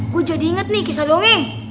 gue jadi inget nih kisah dongeng